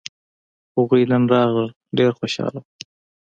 هغوی نن راغلل ډېر خوشاله وو